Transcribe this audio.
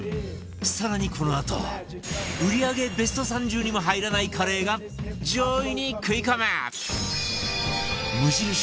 更にこのあと売り上げベスト３０にも入らないカレーが上位に食い込む！